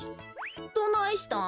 どないしたん？